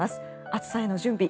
暑さへの準備